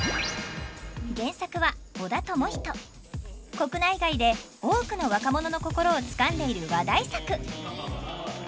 国内外で多くの若者の心をつかんでいる話題作！